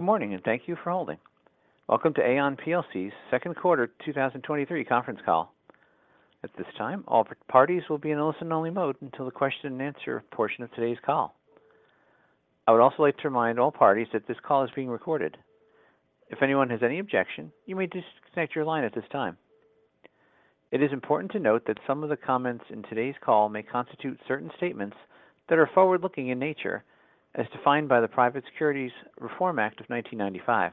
Good morning, thank you for holding. Welcome to Aon plc's second quarter 2023 conference call. At this time, all parties will be in a listen-only mode until the question and answer portion of today's call. I would also like to remind all parties that this call is being recorded. If anyone has any objection, you may disconnect your line at this time. It is important to note that some of the comments in today's call may constitute certain statements that are forward-looking in nature, as defined by the Private Securities Litigation Reform Act of 1995.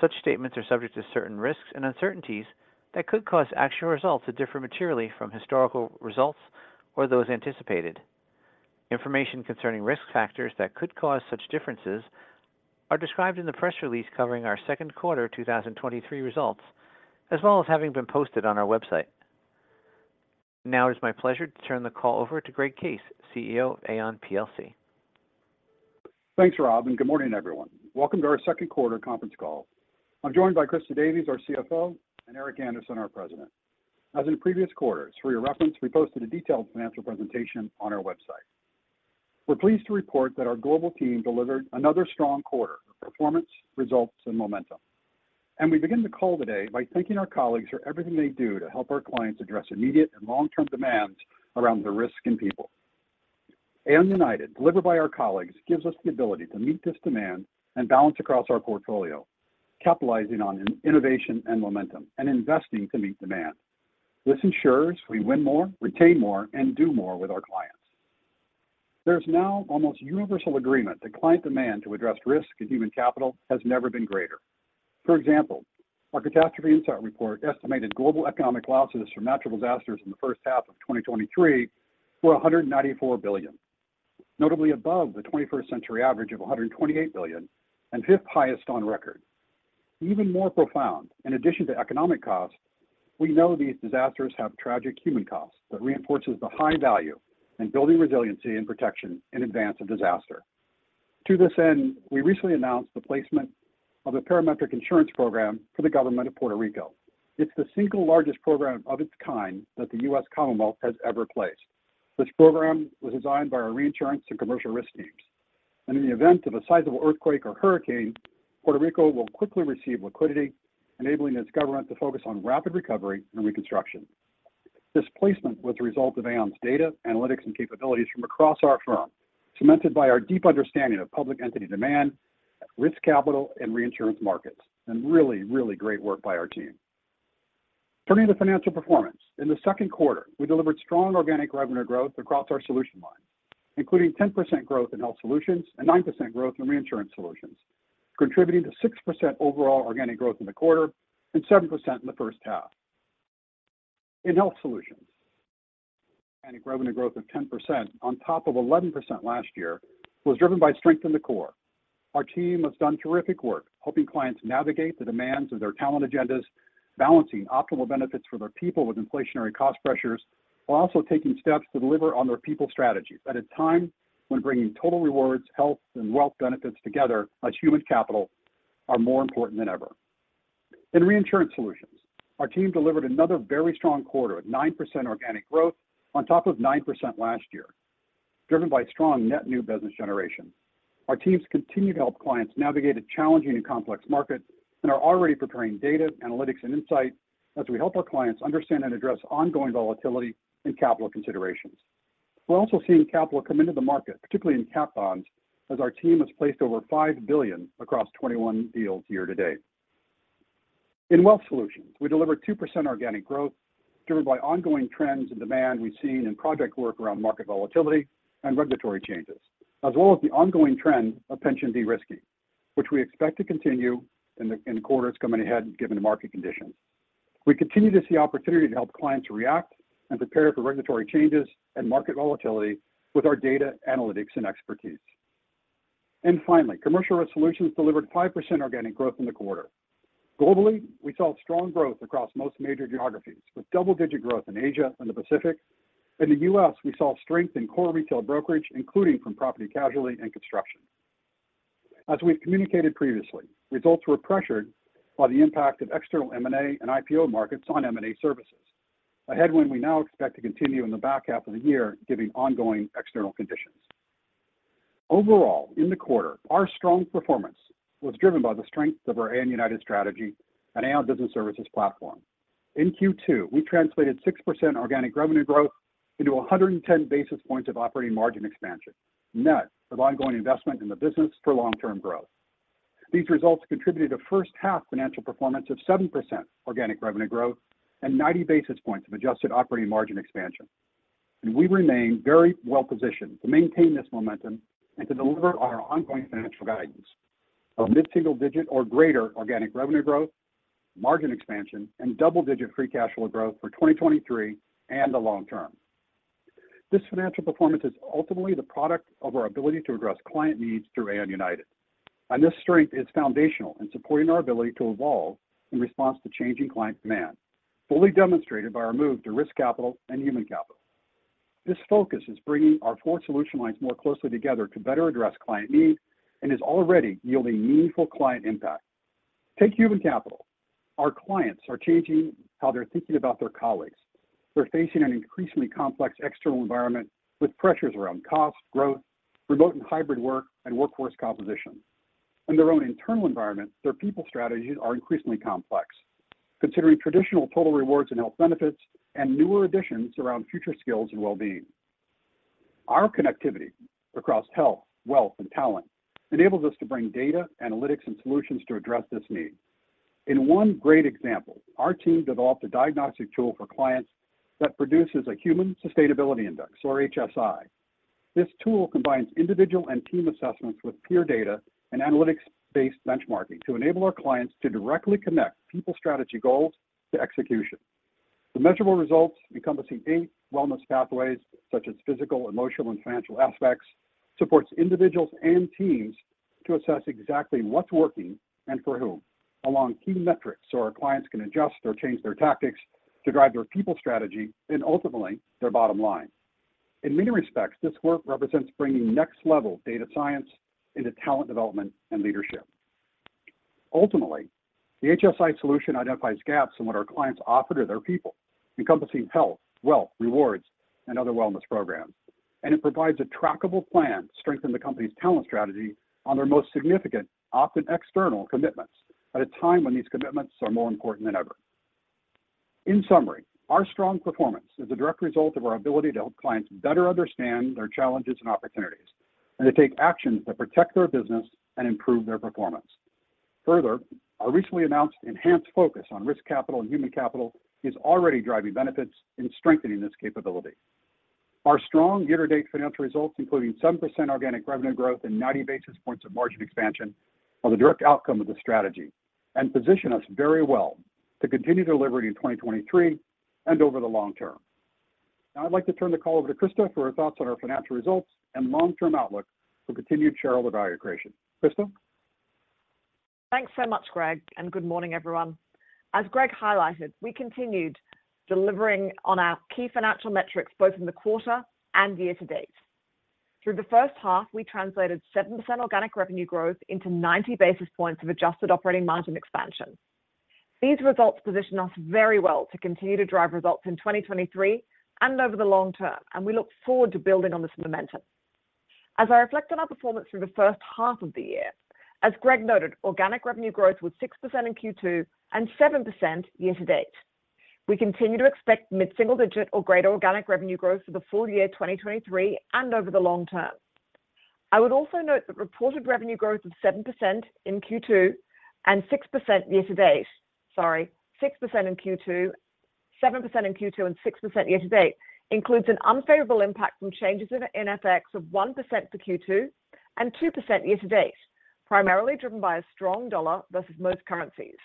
Such statements are subject to certain risks and uncertainties that could cause actual results to differ materially from historical results or those anticipated. Information concerning risk factors that could cause such differences are described in the press release covering our second quarter 2023 results, as well as having been posted on our website. Now, it is my pleasure to turn the call over to Greg Case, CEO of Aon plc. Thanks, Rob, good morning, everyone. Welcome to our second quarter conference call. I'm joined by Christa Davies, our CFO, and Eric Andersen, our President. As in previous quarters, for your reference, we posted a detailed financial presentation on our website. We're pleased to report that our global team delivered another strong quarter of performance, results, and momentum. We begin the call today by thanking our colleagues for everything they do to help our clients address immediate and long-term demands around the risk and people. Aon United, delivered by our colleagues, gives us the ability to meet this demand and balance across our portfolio, capitalizing on innovation and momentum, and investing to meet demand. This ensures we win more, retain more, and do more with our clients. There's now almost universal agreement that client demand to address risk and human capital has never been greater. For example, our Catastrophe Insight report estimated global economic losses from natural disasters in the first half of 2023 were $194 billion, notably above the 21st century average of $128 billion and fifth highest on record. Even more profound, in addition to economic costs, we know these disasters have tragic human costs that reinforces the high value in building resiliency and protection in advance of disaster. To this end, we recently announced the placement of a parametric insurance program for the government of Puerto Rico. It's the single largest program of its kind that the U.S. Commonwealth has ever placed. This program was designed by our reinsurance and commercial risk teams. In the event of a sizable earthquake or hurricane, Puerto Rico will quickly receive liquidity, enabling its government to focus on rapid recovery and reconstruction. This placement was a result of Aon's data, analytics, and capabilities from across our firm, cemented by our deep understanding of public entity demand, risk capital, and reinsurance markets, and really great work by our team. Turning to financial performance. In the second quarter, we delivered strong organic revenue growth across our solution line, including 10% growth in Health Solutions and 9% growth in Reinsurance Solutions, contributing to 6% overall organic growth in the quarter and 7% in the first half. In Health Solutions, organic revenue growth of 10% on top of 11% last year, was driven by strength in the core. Our team has done terrific work helping clients navigate the demands of their talent agendas, balancing optimal benefits for their people with inflationary cost pressures, while also taking steps to deliver on their people strategies at a time when bringing total rewards, health, and wealth benefits together as human capital are more important than ever. In Reinsurance Solutions, our team delivered another very strong quarter at 9% organic growth on top of 9% last year, driven by strong net new business generation. Our teams continue to help clients navigate a challenging and complex market and are already preparing data, analytics, and insight as we help our clients understand and address ongoing volatility and capital considerations. We're also seeing capital come into the market, particularly in cat bonds, as our team has placed over $5 billion across 21 deals year to date. In Wealth Solutions, we delivered 2% organic growth, driven by ongoing trends and demand we've seen in project work around market volatility and regulatory changes, as well as the ongoing trend of pension de-risking, which we expect to continue in the quarters coming ahead, given the market conditions. We continue to see opportunity to help clients react and prepare for regulatory changes and market volatility with our data, analytics, and expertise. Finally, Commercial Risk Solutions delivered 5% organic growth in the quarter. Globally, we saw strong growth across most major geographies, with double-digit growth in Asia and the Pacific. In the U.S., we saw strength in core retail brokerage, including from property casualty and construction. As we've communicated previously, results were pressured by the impact of external M&A and IPO markets on M&A services. Ahead when we now expect to continue in the back half of the year, giving ongoing external conditions. Overall, in the quarter, our strong performance was driven by the strength of our Aon United strategy and Aon Business Services platform. In Q2, we translated 6% organic revenue growth into 110 basis points of operating margin expansion, net of ongoing investment in the business for long-term growth. These results contributed to first half financial performance of 7% organic revenue growth and 90 basis points of adjusted operating margin expansion. We remain very well positioned to maintain this momentum and to deliver on our ongoing financial guidance of mid-single-digit or greater organic revenue growth, margin expansion, and double-digit free cash flow growth for 2023 and the long-term. This financial performance is ultimately the product of our ability to address client needs through Aon United, and this strength is foundational in supporting our ability to evolve in response to changing client demand, fully demonstrated by our move to risk capital and human capital. This focus is bringing our four solution lines more closely together to better address client needs and is already yielding meaningful client impact. Take human capital. Our clients are changing how they're thinking about their colleagues. They're facing an increasingly complex external environment with pressures around cost, growth, remote and hybrid work, and workforce composition. In their own internal environment, their people strategies are increasingly complex, considering traditional total rewards and health benefits, and newer additions around future skills and well-being. Our connectivity across health, wealth, and talent enables us to bring data, analytics, and solutions to address this need. In one great example, our team developed a diagnostic tool for clients that produces a Human Sustainability Index, or HSI. This tool combines individual and team assessments with peer data and analytics-based benchmarking to enable our clients to directly connect people strategy goals to execution. The measurable results encompassing eight wellness pathways, such as physical, emotional, and financial aspects, supports individuals and teams to assess exactly what's working and for whom, along key metrics, so our clients can adjust or change their tactics to drive their people strategy and ultimately their bottom line. In many respects, this work represents bringing next-level data science into talent development and leadership. Ultimately, the HSI solution identifies gaps in what our clients offer to their people, encompassing health, wealth, rewards, and other wellness programs. It provides a trackable plan to strengthen the company's talent strategy on their most significant, often external, commitments at a time when these commitments are more important than ever. In summary, our strong performance is a direct result of our ability to help clients better understand their challenges and opportunities, and to take actions that protect their business and improve their performance. Our recently announced enhanced focus on risk capital and human capital is already driving benefits in strengthening this capability. Our strong year-to-date financial results, including 7% organic revenue growth and 90 basis points of margin expansion, are the direct outcome of this strategy and position us very well to continue delivery in 2023 and over the long-term. Now, I'd like to turn the call over to Christa for her thoughts on our financial results and long-term outlook for continued shareholder value creation. Christa? Thanks so much, Greg. Good morning, everyone. As Greg highlighted, we continued delivering on our key financial metrics, both in the quarter and year to date. Through the first half, we translated 7% organic revenue growth into 90 basis points of adjusted operating margin expansion. These results position us very well to continue to drive results in 2023 and over the long-term, and we look forward to building on this momentum. As I reflect on our performance through the first half of the year, as Greg noted, organic revenue growth was 6% in Q2 and 7% year to date. We continue to expect mid-single-digit or greater organic revenue growth for the full year 2023 and over the long-term. I would also note that reported revenue growth of 7% in Q2 and 6% year to date, sorry, 6% in Q2, 7% in Q2 and 6% year to date, includes an unfavorable impact from changes in FX of 1% for Q2 and 2% year to date, primarily driven by a strong dollar versus most currencies.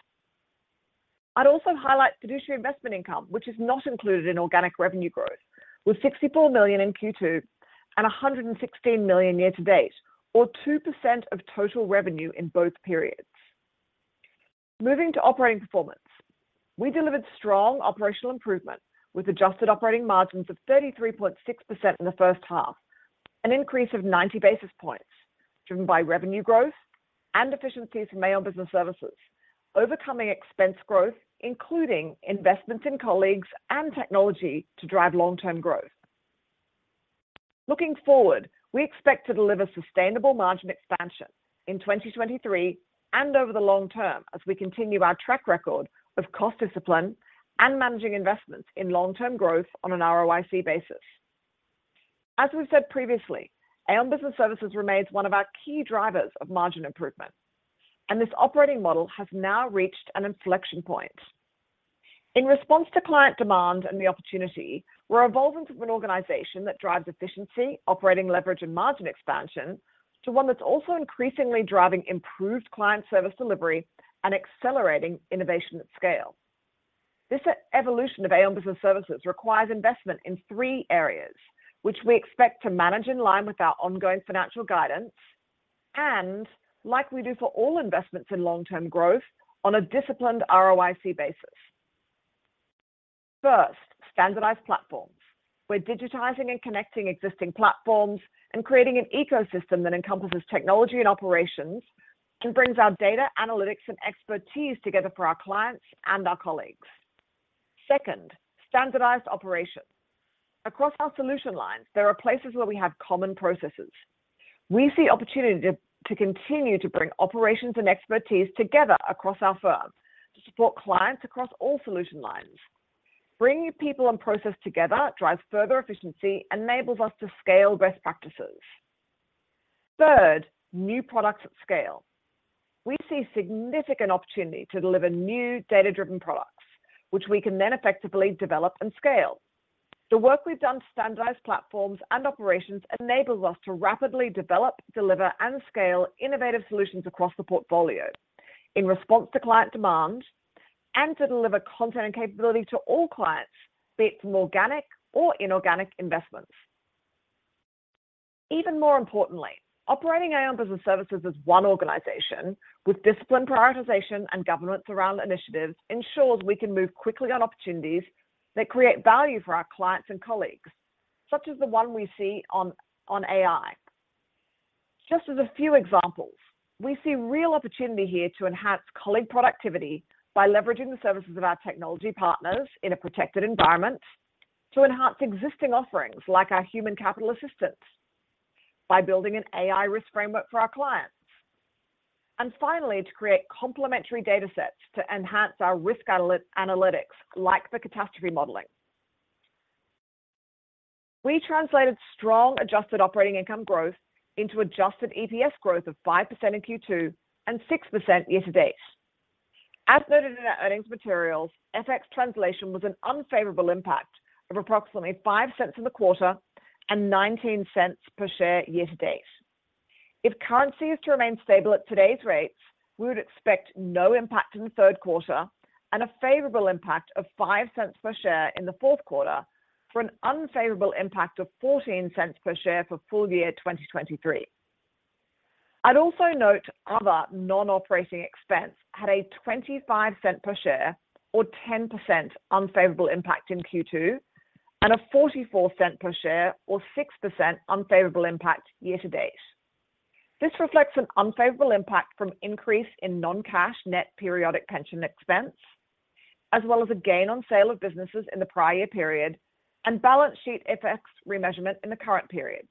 I'd also highlight fiduciary investment income, which is not included in organic revenue growth, with $64 million in Q2 and $116 million year to date, or 2% of total revenue in both periods. Moving to operating performance. We delivered strong operational improvement, with adjusted operating margins of 33.6% in the first half, an increase of 90 basis points, driven by revenue growth and efficiencies in Aon Business Services, overcoming expense growth, including investments in colleagues and technology to drive long-term growth. Looking forward, we expect to deliver sustainable margin expansion in 2023 and over the long-term as we continue our track record of cost discipline and managing investments in long-term-growth on an ROIC basis. As we've said previously, Aon Business Services remains one of our key drivers of margin improvement, and this operating model has now reached an inflection point. In response to client demand and the opportunity, we're evolving from an organization that drives efficiency, operating leverage, and margin expansion, to one that's also increasingly driving improved client service delivery and accelerating innovation at scale. This evolution of Aon Business Services requires investment in 3 areas, which we expect to manage in line with our ongoing financial guidance, and like we do for all investments in long-term growth, on a disciplined ROIC basis. First, standardized platforms. We're digitizing and connecting existing platforms and creating an ecosystem that encompasses technology and operations and brings our data, analytics, and expertise together for our clients and our colleagues. Second, standardized operations. Across our solution lines, there are places where we have common processes. We see opportunity to continue to bring operations and expertise together across our firm to support clients across all solution lines. Bringing people and process together drives further efficiency and enables us to scale best practices. Third, new products at scale. We see significant opportunity to deliver new data-driven products, which we can then effectively develop and scale. The work we've done to standardize platforms and operations enables us to rapidly develop, deliver, and scale innovative solutions across the portfolio in response to client demand and to deliver content and capability to all clients, be it from organic or inorganic investments. Even more importantly, operating Aon Business Services as one organization with disciplined prioritization and governance around initiatives ensures we can move quickly on opportunities that create value for our clients and colleagues, such as the one we see on AI. Just as a few examples, we see real opportunity here to enhance colleague productivity by leveraging the services of our technology partners in a protected environment to enhance existing offerings, like our human capital assistance, by building an AI risk framework for our clients, and finally, to create complementary data sets to enhance our risk analytics, like the catastrophe modeling. We translated strong adjusted operating income growth into adjusted EPS growth of 5% in Q2 and 6% year to date. As noted in our earnings materials, FX translation was an unfavorable impact of approximately $0.05 in the quarter and $0.19 per share year to date. If currency is to remain stable at today's rates, we would expect no impact in the third quarter and a favorable impact of $0.05 per share in the fourth quarter, for an unfavorable impact of $0.14 per share for full year 2023. I'd also note other non-operating expense had a $0.25 per share or 10% unfavorable impact in Q2 and a $0.44 per share or 6% unfavorable impact year-to-date. This reflects an unfavorable impact from increase in non-cash net periodic pension expense, as well as a gain on sale of businesses in the prior year period and balance sheet FX remeasurement in the current period.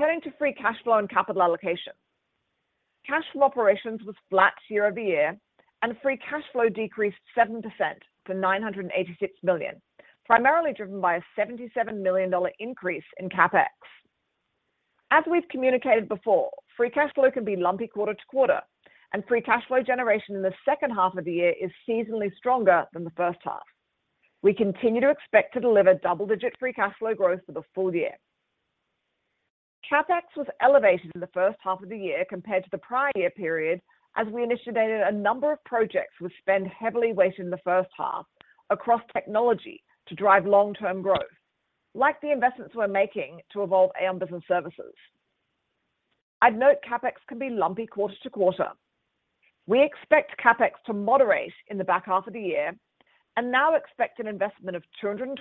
Turning to free cash flow and capital allocation. Cash flow operations was flat year-over-year. Free cash flow decreased 7% to $986 million, primarily driven by a $77 million increase in CapEx. As we've communicated before, free cash flow can be lumpy quarter-to-quarter, and free cash flow generation in the second half of the year is seasonally stronger than the first half. We continue to expect to deliver double-digit free cash flow growth for the full year. CapEx was elevated in the first half of the year compared to the prior year period, as we initiated a number of projects with spend heavily weighted in the first half across technology to drive long-term growth, like the investments we're making to evolve Aon Business Services. I'd note CapEx can be lumpy quarter-to-quarter. We expect CapEx to moderate in the back half of the year and now expect an investment of $220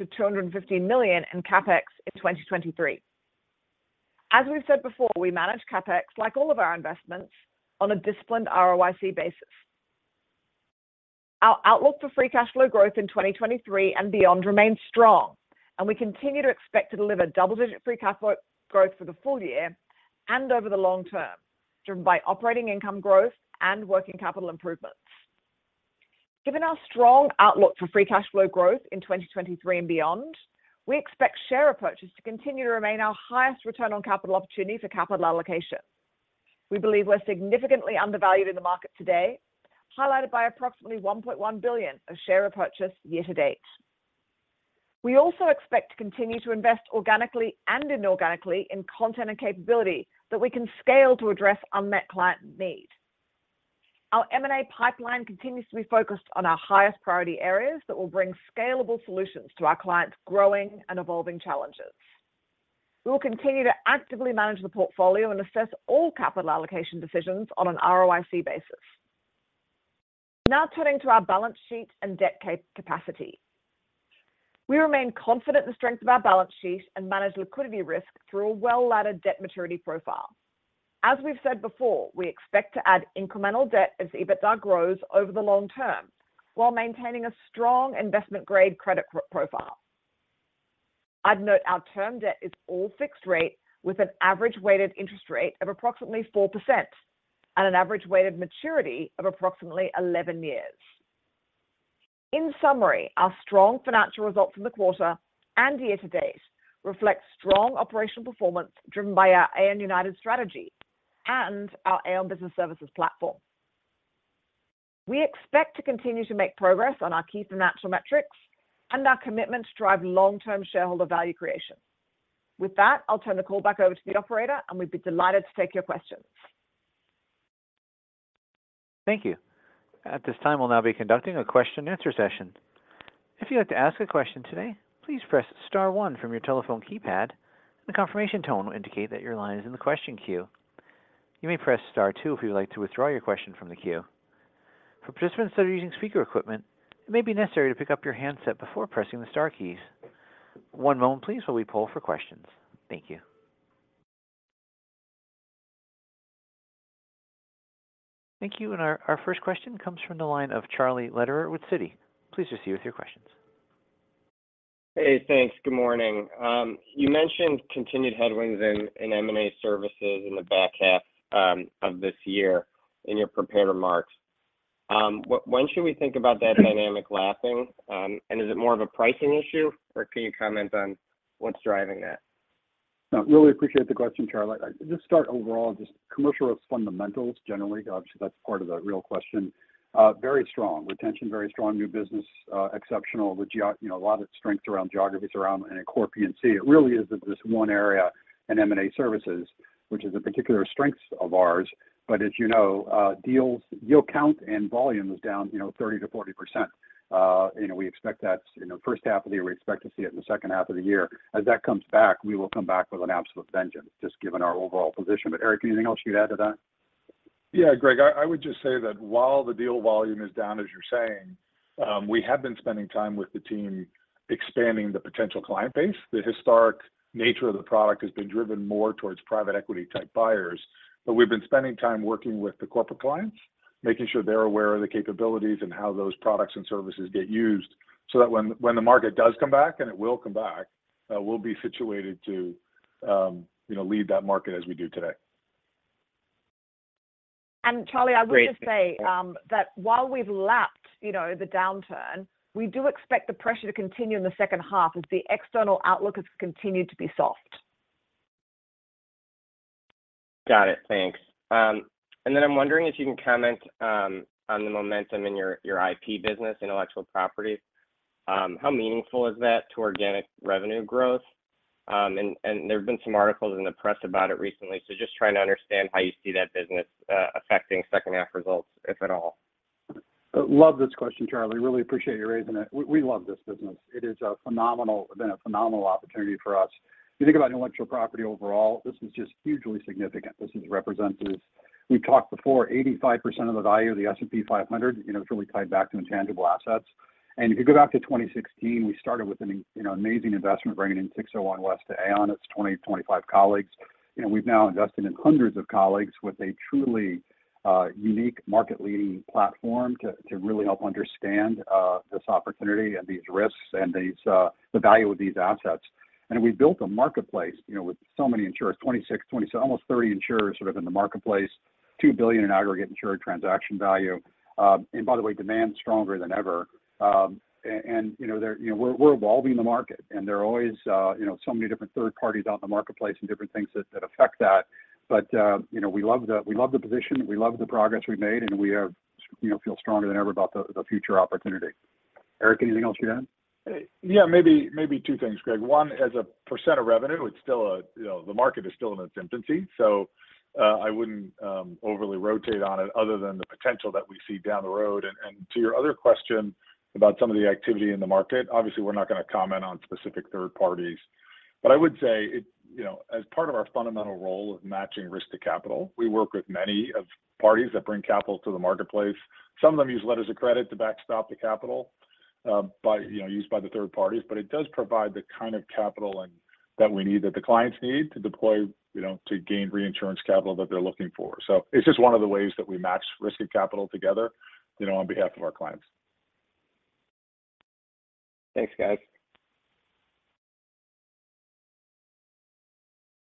million-$250 million in CapEx in 2023. As we've said before, we manage CapEx like all of our investments on a disciplined ROIC basis. Our outlook for free cash flow growth in 2023 and beyond remains strong, and we continue to expect to deliver double-digit free cash flow growth for the full year and over the long-term, driven by operating income growth and working capital improvements. Given our strong outlook for free cash flow growth in 2023 and beyond, we expect share purchases to continue to remain our highest return on capital opportunity for capital allocation. We believe we're significantly undervalued in the market today, highlighted by approximately $1.1 billion of share repurchase year to date. We also expect to continue to invest organically and inorganically in content and capability that we can scale to address unmet client need. Our M&A pipeline continues to be focused on our highest priority areas that will bring scalable solutions to our clients' growing and evolving challenges. We will continue to actively manage the portfolio and assess all capital allocation decisions on an ROIC basis. Now, turning to our balance sheet and debt capacity. We remain confident in the strength of our balance sheet and manage liquidity risk through a well-laddered debt maturity profile. As we've said before, we expect to add incremental debt as EBITDA grows over the long-term while maintaining a strong investment-grade credit profile. I'd note our term debt is all fixed rate, with an average weighted interest rate of approximately 4% and an average weighted maturity of approximately 11 years. In summary, our strong financial results in the quarter and year to date reflect strong operational performance driven by our Aon United strategy and our Aon Business Services platform. We expect to continue to make progress on our key financial metrics and our commitment to drive long-term shareholder value creation. With that, I'll turn the call back over to the operator, and we'd be delighted to take your questions. Thank you. At this time, we'll now be conducting a question and answer session. If you'd like to ask a question today, please press star one from your telephone keypad. The confirmation tone will indicate that your line is in the question queue. You may press star two if you would like to withdraw your question from the queue. For participants that are using speaker equipment, it may be necessary to pick up your handset before pressing the star keys. One moment please, while we poll for questions. Thank you. Thank you. Our first question comes from the line of Charlie Lederer with Citi. Please proceed with your questions. Hey, thanks. Good morning. You mentioned continued headwinds in, in M&A services in the back half of this year in your prepared remarks. When should we think about that dynamic lasting, and is it more of a pricing issue, or can you comment on what's driving that? No, really appreciate the question, Charlie. I'll just start overall, just commercial fundamentals, generally. Obviously, that's part of the real question. Very strong retention, very strong new business, exceptional you know, a lot of strength around geographies around and core P&C. It really is just one area in M&A services, which is a particular strength of ours. As you know, deals, deal count and volume is down, you know, 30%-40%. You know, we expect that, you know, first half of the year, we expect to see it in the second half of the year. As that comes back, we will come back with an absolute vengeance, just given our overall position. Eric, anything else you'd add to that? Yeah, Greg, I, I would just say that while the deal volume is down, as you're saying, we have been spending time with the team expanding the potential client base. The historic nature of the product has been driven more towards private equity-type buyers. We've been spending time working with the corporate clients, making sure they're aware of the capabilities and how those products and services get used, so that when, when the market does come back, and it will come back, we'll be situated to, you know, lead that market as we do today. Charlie, I would just say. Great That while we've lapped, you know, the downturn, we do expect the pressure to continue in the second half as the external outlook has continued to be soft. Got it. Thanks. Then I'm wondering if you can comment on the momentum in your, your IP business, intellectual property. How meaningful is that to organic revenue growth? And there have been some articles in the press about it recently, so just trying to understand how you see that business affecting second half results, if at all. Love this question, Charlie. Really appreciate you raising it. We love this business. It is a phenomenal- been a phenomenal opportunity for us. You think about intellectual property overall, this is just hugely significant. This is representative. We've talked before, 85% of the value of the S&P 500, you know, it's really tied back to intangible assets. If you go back to 2016, we started with an in, you know, amazing investment, bringing in 601West to Aon, its 20-25 colleagues. You know, we've now invested in hundreds of colleagues with a truly unique market-leading platform to, to really help understand this opportunity and these risks and these the value of these assets. We've built a marketplace, you know, with so many insurers, 26, almost 30 insurers sort of in the marketplace, $2 billion in aggregate insured transaction value. By the way, demand is stronger than ever. You know, they're, you know, we're, we're evolving the market, and there are always, you know, so many different third parties out in the marketplace and different things that, that affect that. You know, we love the, we love the position, we love the progress we've made, and we are- you know, feel stronger than ever about the, the future opportunity. Eric, anything else you add? Yeah, maybe, maybe two things, Greg. One, as a percent of revenue, it's still a, you know, the market is still in its infancy, so I wouldn't overly rotate on it other than the potential that we see down the road. To your other question about some of the activity in the market, obviously, we're not gonna comment on specific third parties. I would say it. You know, as part of our fundamental role of matching risk to capital, we work with many of parties that bring capital to the marketplace. Some of them use letters of credit to backstop the capital, by, you know, used by the third parties, but it does provide the kind of capital and that we need, that the clients need to deploy, you know, to gain reinsurance capital that they're looking for. It's just one of the ways that we match risk and capital together, you know, on behalf of our clients.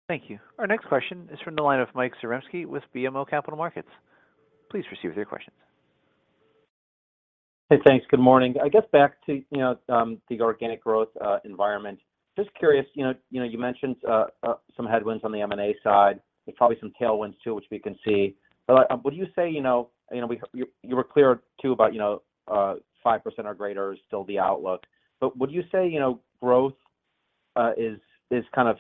Thanks, guys. Thank you. Our next question is from the line of Mike Zaremski with BMO Capital Markets. Please proceed with your questions. Hey, thanks. Good morning. I guess back to, you know, the organic growth environment. Just curious, you know, you know, you mentioned some headwinds on the M&A side. There's probably some tailwinds, too, which we can see. Would you say, you know... You know, you were clear too, about, you know, 5% or greater is still the outlook. Would you say, you know, growth, is, is kind of,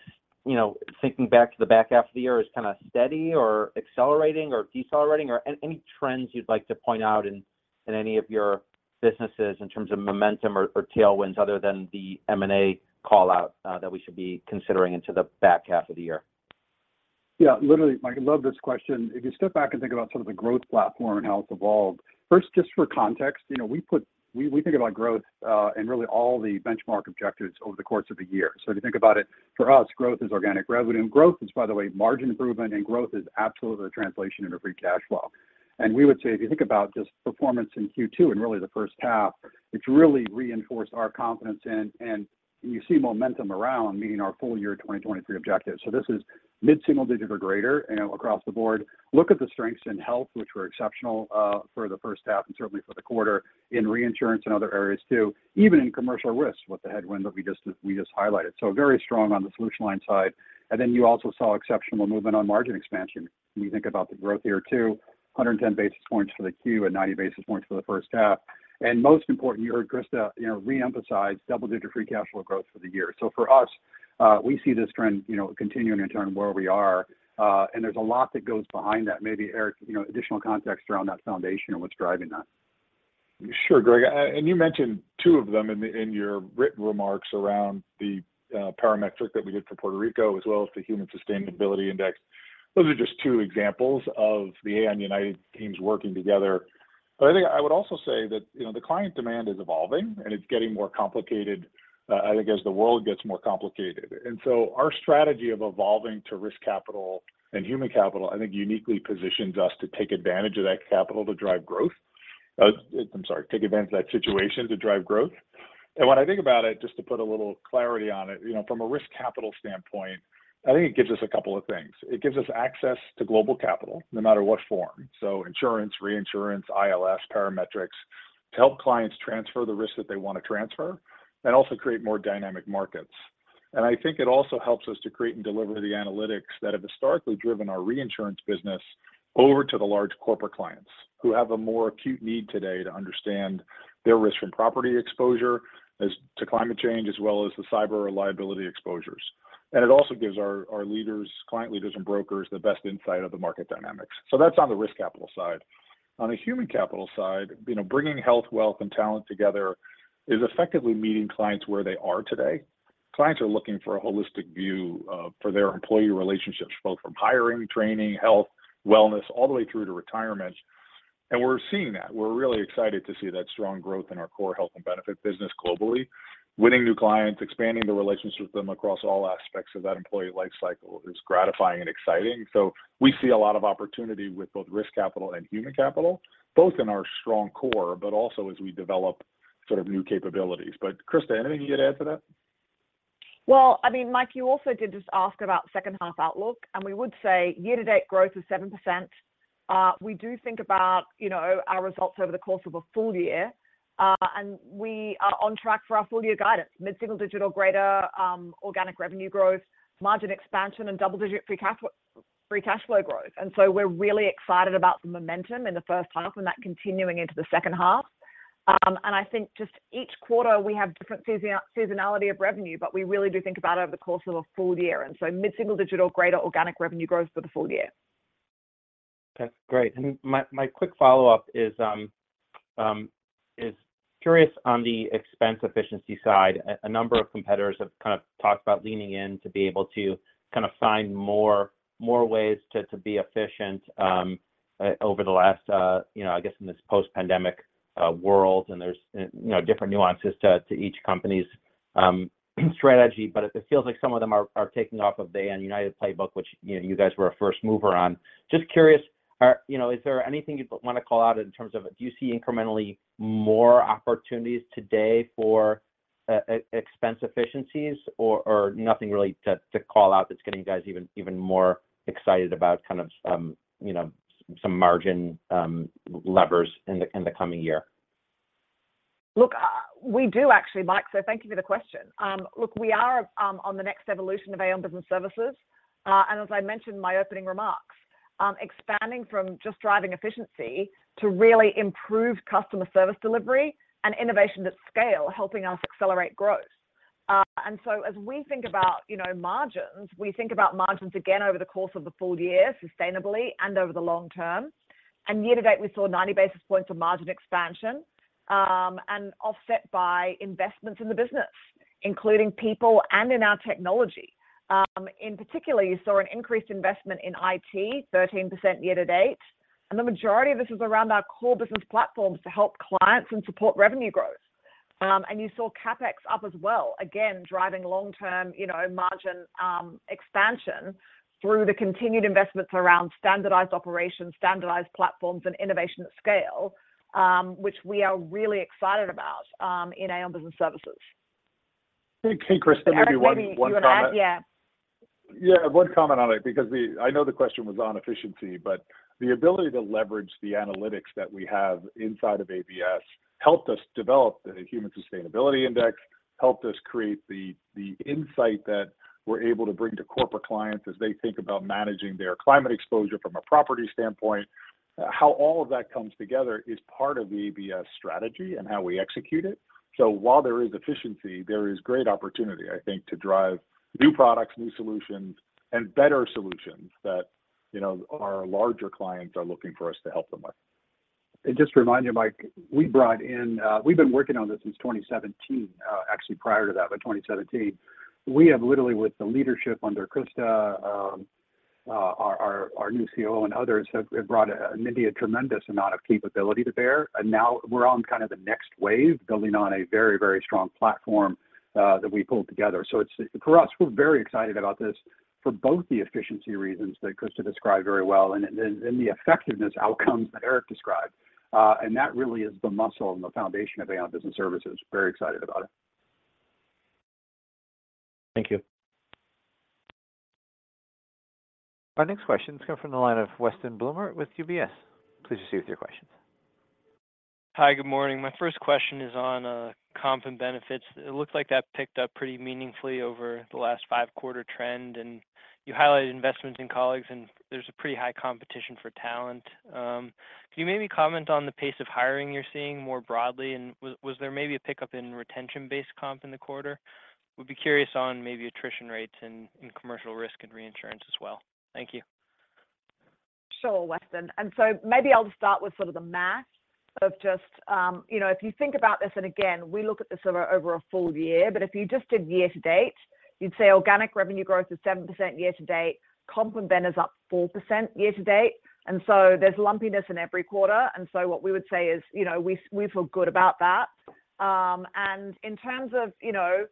you know, thinking back to the back half of the year, is kind of steady or accelerating or decelerating? Any trends you'd like to point out in, in any of your businesses in terms of momentum or, or tailwinds other than the M&A call-out, that we should be considering into the back half of the year? Yeah, literally, Mike, I love this question. If you step back and think about some of the growth platform and how it's evolved, first, just for context, you know, we think about growth and really all the benchmark objectives over the course of a year. If you think about it, for us, growth is organic revenue. Growth is, by the way, margin improvement, and growth is absolutely a translation into free cash flow. We would say if you think about just performance in Q2 and really the first half, it's really reinforced our confidence in and you see momentum around meeting our full year 2023 objectives. This is mid-single-digit or greater, you know, across the board. Look at the strengths in health, which were exceptional, for the first half and certainly for the quarter, in reinsurance and other areas, too, even in commercial risk with the headwind that we just, we just highlighted. Very strong on the solution line side. You also saw exceptional movement on margin expansion. When you think about the growth year, too, 110 basis points for the Q and 90 basis points for the first half. Most important, you heard Christa, you know, re-emphasize double-digit free cash flow growth for the year. For us, we see this trend, you know, continuing in terms of where we are, and there's a lot that goes behind that. Maybe Eric, you know, additional context around that foundation and what's driving that. Sure, Greg, and you mentioned two of them in, in your written remarks around the parametric that we did for Puerto Rico, as well as the Human Sustainability Index. Those are just two examples of the Aon United teams working together. I think I would also say that, you know, the client demand is evolving, and it's getting more complicated, I think as the world gets more complicated. So our strategy of evolving to risk capital and human capital, I think, uniquely positions us to take advantage of that capital to drive growth. I'm sorry, take advantage of that situation to drive growth. When I think about it, just to put a little clarity on it, you know, from a risk capital standpoint, I think it gives us a couple of things. It gives us access to global capital, no matter what form, so insurance, reinsurance, ILS, parametrics, to help clients transfer the risk that they want to transfer and also create more dynamic markets. I think it also helps us to create and deliver the analytics that have historically driven our reinsurance business over to the large corporate clients, who have a more acute need today to understand their risk from property exposure, as to climate change, as well as the cyber or liability exposures. It also gives our, our leaders, client leaders and brokers, the best insight of the market dynamics. That's on the risk capital side. On a human capital side, you know, bringing health, wealth, and talent together is effectively meeting clients where they are today.... clients are looking for a holistic view for their employee relationships, both from hiring, training, health, wellness, all the way through to retirement. We're seeing that. We're really excited to see that strong growth in our core health and benefit business globally. Winning new clients, expanding the relationship with them across all aspects of that employee life cycle is gratifying and exciting. We see a lot of opportunity with both risk capital and human capital, both in our strong core, but also as we develop sort of new capabilities. Christa, anything you'd add to that? Well, I mean, Mike, you also did just ask about second half outlook, and we would say year-to-date growth is 7%. We do think about, you know, our results over the course of a full year, and we are on track for our full year guidance, mid-single-digit, greater organic revenue growth, margin expansion, and double-digit free cash flow growth. We're really excited about the momentum in the first half and that continuing into the second half. I think just each quarter we have different seasonality of revenue, but we really do think about over the course of a full year. Mid-single-digit, greater organic revenue growth for the full year. That's great. My quick follow-up is curious on the expense efficiency side. A number of competitors have kind of talked about leaning in to be able to kind of find more, more ways to be efficient, over the last, you know, I guess in this post-pandemic world. There's, you know, different nuances to each company's strategy. It feels like some of them are taking off of the Aon United playbook, which, you guys were a first mover on. Just curious, are... You know, is there anything you'd want to call out in terms of do you see incrementally more opportunities today for expense efficiencies or, or nothing really to, to call out that's getting you guys even, even more excited about kind of, you know, some margin, levers in the, in the coming year? Look, we do actually, Mike. Thank you for the question. Look, we are on the next evolution of Aon Business Services. As I mentioned in my opening remarks, expanding from just driving efficiency to really improved customer service delivery and innovation at scale, helping us accelerate growth. As we think about, you know, margins, we think about margins again over the course of a full year, sustainably and over the long-term. Year to date, we saw 90 basis points of margin expansion, and offset by investments in the business, including people and in our technology. In particular, you saw an increased investment in IT, 13% year to date, and the majority of this is around our core business platforms to help clients and support revenue growth. You saw CapEx up as well, again, driving long-term, you know, margin, expansion through the continued investments around standardized operations, standardized platforms, and innovation at scale, which we are really excited about, in Aon Business Services. Hey, Christa, maybe one comment- Maybe you want to add? Yeah. Yeah, one comment on it, because the... I know the question was on efficiency, but the ability to leverage the analytics that we have inside of ABS helped us develop the Human Sustainability Index, helped us create the, the insight that we're able to bring to corporate clients as they think about managing their climate exposure from a property standpoint. How all of that comes together is part of the ABS strategy and how we execute it. While there is efficiency, there is great opportunity, I think, to drive new products, new solutions, and better solutions that, you know, our larger clients are looking for us to help them with. Just to remind you, Mike, we brought in. We've been working on this since 2017, actually prior to that, but 2017. We have literally, with the leadership under Christa, our, our, our new CEO and others, have brought a tremendously a tremendous amount of capability to bear, and now we're on kind of the next wave, building on a very, very strong platform that we pulled together. It's, for us, we're very excited about this for both the efficiency reasons that Christa described very well and, and, and the effectiveness outcomes that Eric described. That really is the muscle and the foundation of Aon Business Services. Very excited about it. Thank you. Our next question is coming from the line of Weston Bloomer with UBS. Please proceed with your questions. Hi, good morning. My first question is on comp and benefits. It looks like that picked up pretty meaningfully over the last 5-quarter trend, and you highlighted investments in colleagues, and there's a pretty high competition for talent. Can you maybe comment on the pace of hiring you're seeing more broadly? Was there maybe a pickup in retention-based comp in the quarter? We'd be curious on maybe attrition rates in commercial risk and reinsurance as well. Thank you. Sure, Weston. Maybe I'll start with sort of the math of just... You know, if you think about this, and again, we look at this over, over a full year, but if you just did year to date, you'd say organic revenue growth is 7% year to date. Comp and ben is up 4% year to date, and so there's lumpiness in every quarter. What we would say is, you know, we, we feel good about that. In terms of, you know,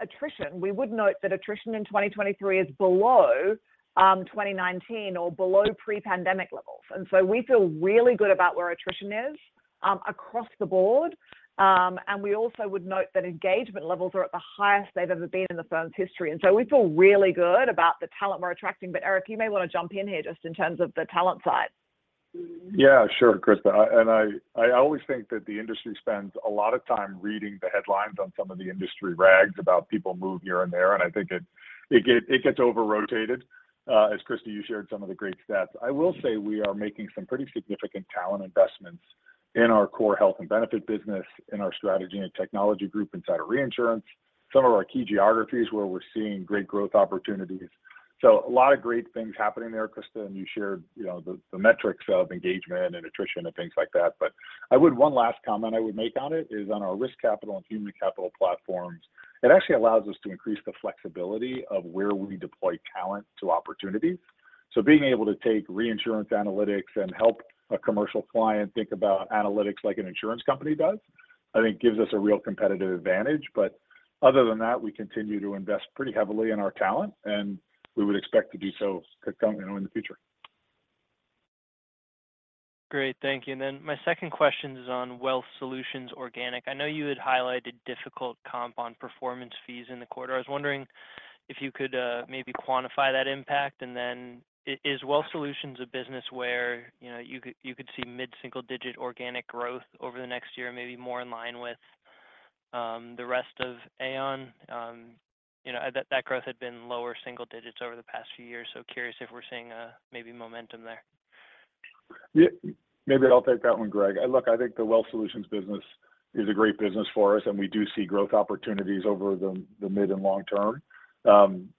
attrition, we would note that attrition in 2023 is below 2019 or below pre-pandemic levels. We feel really good about where attrition is across the board. We also would note that engagement levels are at the highest they've ever been in the firm's history, so we feel really good about the talent we're attracting. Eric, you may want to jump in here just in terms of the talent side. Yeah, sure, Christa. I, I always think that the industry spends a lot of time reading the headlines on some of the industry rags about people move here and there, and I think it gets over-rotated. As Christa, you shared some of the great stats. I will say we are making some pretty significant talent investments in our core health and benefit business, in our Strategy and Technology Group inside of reinsurance. Some of our key geographies where we're seeing great growth opportunities. A lot of great things happening there, Christa, and you shared, you know, the, the metrics of engagement and attrition and things like that. One last comment I would make on it is on our risk capital and human capital platforms, it actually allows us to increase the flexibility of where we deploy talent to opportunities. Being able to take reinsurance analytics and help a commercial client think about analytics like an insurance company does, I think gives us a real competitive advantage. Other than that, we continue to invest pretty heavily in our talent, and we would expect to do so, you know, in the future. Great. Thank you. My second question is on Wealth Solutions organic. I know you had highlighted difficult comp on performance fees in the quarter. I was wondering if you could, maybe quantify that impact. Is Wealth Solutions a business where, you know, you could, you could see mid-single-digit organic growth over the next year, maybe more in line with, the rest of Aon? You know, that, that growth had been lower single digits over the past few years. Curious if we're seeing, maybe momentum there. Yeah. Maybe I'll take that one, Greg. look, I think the Wealth Solutions business is a great business for us, and we do see growth opportunities over the, the mid and long-term.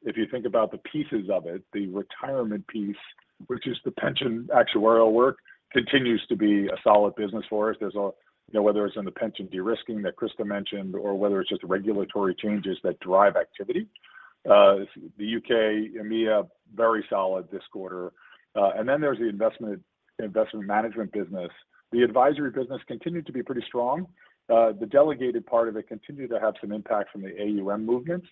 if you think about the pieces of it, the retirement piece, which is the pension actuarial work, continues to be a solid business for us. There's you know, whether it's in the pension de-risking that Christa mentioned or whether it's just regulatory changes that drive activity. the U.K., EMEA, very solid this quarter. and then there's the investment, investment management business. The advisory business continued to be pretty strong. the delegated part of it continued to have some impact from the AUM movement,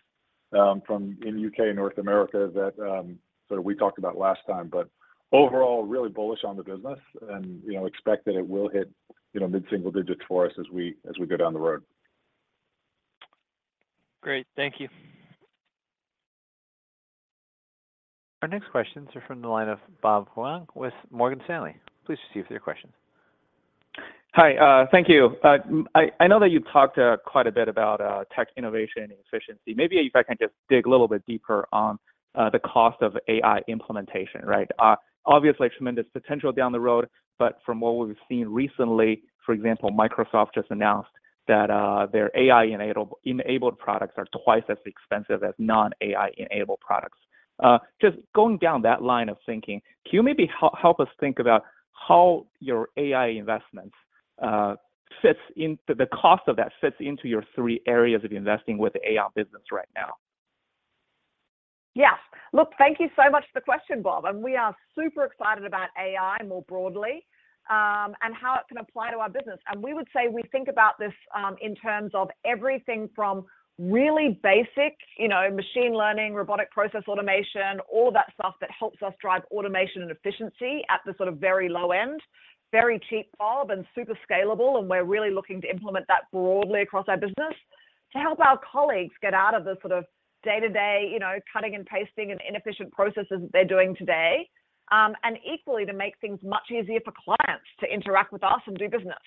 from in U.K. and North America that, sort of we talked about last time. Overall, really bullish on the business and, you know, expect that it will hit, you know, mid-single-digits for us as we, as we go down the road. Great. Thank you. Our next questions are from the line of Bob Huang with Morgan Stanley. Please proceed with your question. Hi, thank you. I, I know that you talked quite a bit about tech innovation and efficiency. Maybe if I can just dig a little bit deeper on the cost of AI implementation, right? Obviously, tremendous potential down the road, but from what we've seen recently, for example, Microsoft just announced that their AI-enabled, enabled products are twice as expensive as non-AI-enabled products. Just going down that line of thinking, can you maybe help us think about how your AI investments, the cost of that fits into your three areas of investing with Aon right now? Yes. Look, thank you so much for the question, Bob, and we are super excited about AI more broadly, and how it can apply to our business. We would say we think about this in terms of everything from really basic, you know, machine learning, robotic process automation, all that stuff that helps us drive automation and efficiency at the sort of very low end, very cheap, Bob, and super scalable, and we're really looking to implement that broadly across our business to help our colleagues get out of the sort of day-to-day, you know, cutting and pasting and inefficient processes they're doing today. Equally to make things much easier for clients to interact with us and do business.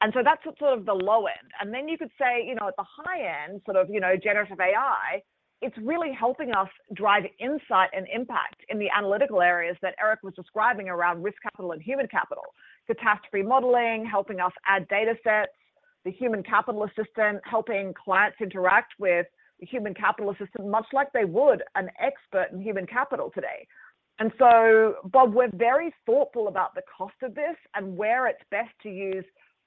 That's sort of the low end. Then you could say, you know, at the high end, sort of, you know, generative AI, it's really helping us drive insight and impact in the analytical areas that Eric was describing around risk capital and human capital. The talent modeling, helping us add datasets, the human capital assistant, helping clients interact with the human capital assistant, much like they would an expert in human capital today. So, Bob, we're very thoughtful about the cost of this and where it's best to use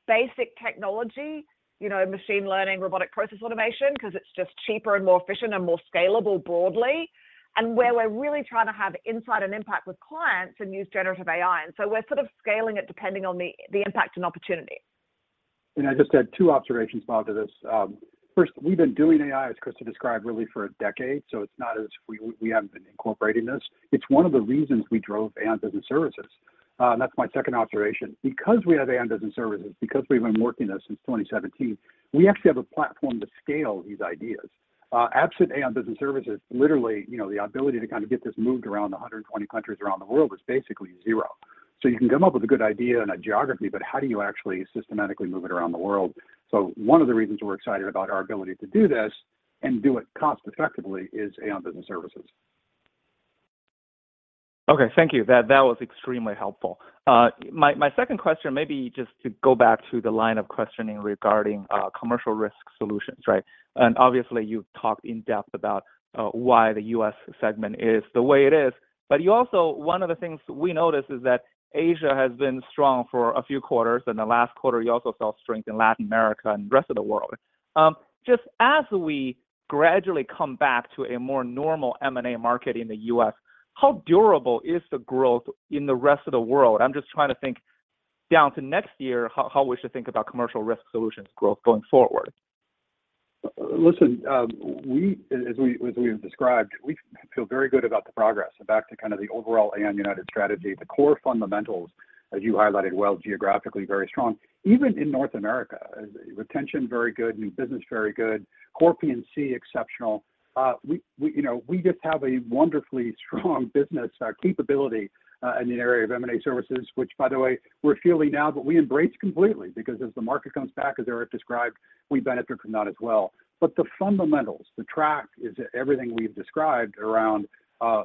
basic technology, you know, machine learning, robotic process automation, 'cause it's just cheaper and more efficient and more scalable broadly, and where we're really trying to have insight and impact with clients and use generative AI. So we're sort of scaling it depending on the, the impact and opportunity. I just had two observations, Bob, to this. First, we've been doing AI, as Christa described, really for a decade, so it's not as if we, we haven't been incorporating this. It's one of the reasons we drove Aon Business Services. That's my second observation. Because we have Aon Business Services, because we've been working this since 2017, we actually have a platform to scale these ideas. Absent Aon Business Services, literally, you know, the ability to kind of get this moved around the 120 countries around the world is basically zero. You can come up with a good idea in a geography, but how do you actually systematically move it around the world? One of the reasons we're excited about our ability to do this, and do it cost effectively, is Aon Business Services. Okay. Thank you. That, that was extremely helpful. My, my second question may be just to go back to the line of questioning regarding Commercial Risk Solutions, right? Obviously, you've talked in depth about why the U.S. segment is the way it is, but you also-- one of the things we noticed is that Asia has been strong for a few quarters, and the last quarter, you also saw strength in Latin America and the rest of the world. Just as we gradually come back to a more normal M&A market in the U.S., how durable is the growth in the rest of the world? I'm just trying to think down to next year, how, how we should think about Commercial Risk Solutions growth going forward. Listen, as we, as we've described, we feel very good about the progress. Back to kind of the overall Aon United strategy, the core fundamentals, as you highlighted well, geographically very strong. Even in North America, retention very good, new business very good, Core P&C, exceptional. We, you know, we just have a wonderfully strong business capability in the area of M&A services, which, by the way, we're feeling now, but we embrace completely, because as the market comes back, as Eric described, we benefit from that as well. The fundamentals, the track, is everything we've described around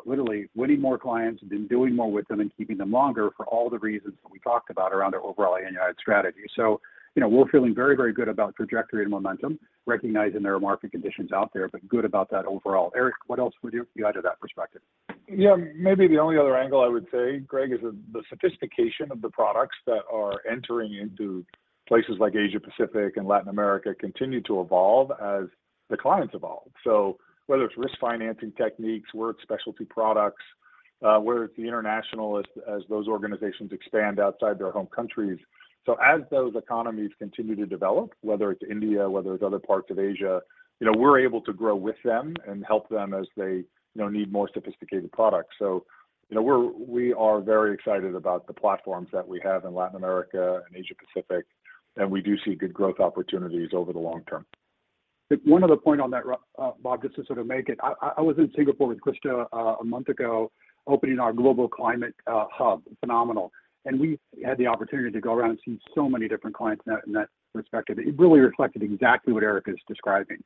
literally winning more clients and then doing more with them and keeping them longer for all the reasons that we talked about around our overall Aon United strategy. You know, we're feeling very, very good about trajectory and momentum, recognizing there are market conditions out there, but good about that overall. Eric, what else would you add to that perspective. Yeah, maybe the only other angle I would say, Greg, is the sophistication of the products that are entering into places like Asia-Pacific and Latin America continue to evolve as the clients evolve. Whether it's risk financing techniques, whether it's specialty products, whether it's the international as those organizations expand outside their home countries. As those economies continue to develop, whether it's India, whether it's other parts of Asia, you know, we're able to grow with them and help them as they, you know, need more sophisticated products. You know, we are very excited about the platforms that we have in Latin America and Asia-Pacific, and we do see good growth opportunities over the long-term. One other point on that, Bob, just to sort of make it. I was in Singapore with Christa a month ago, opening our global climate hub. Phenomenal! We had the opportunity to go around and see so many different clients in that, in that perspective. It really reflected exactly what Eric is describing.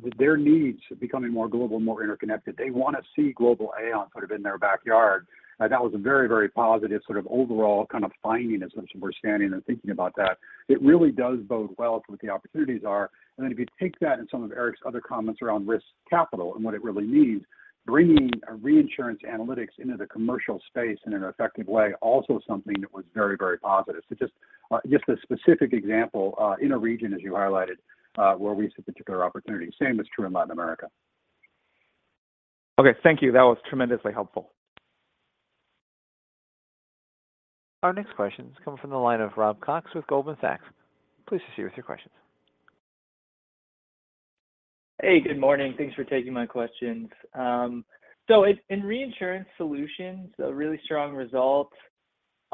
With their needs becoming more global, more interconnected, they want to see global Aon sort of in their backyard. That was a very, very positive sort of overall kind of finding as since we're standing and thinking about that. It really does bode well for what the opportunities are. If you take that and some of Eric's other comments around risk capital and what it really means, bringing a reinsurance analytics into the commercial space in an effective way, also something that was very, very positive. Just, just a specific example, in a region as you highlighted, where we see particular opportunities. Same is true in Latin America. Okay, thank you. That was tremendously helpful. Our next question is coming from the line of Rob Cox with Goldman Sachs. Please proceed with your questions. Hey, good morning. Thanks for taking my questions. In Reinsurance Solutions, a really strong result